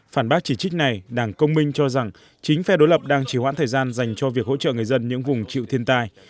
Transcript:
phản bác chỉ trích này đảng công minh cho rằng chính phe đối lập đang chỉ hoãn thời gian dành cho việc hỗ trợ người dân những vùng chịu thiên tai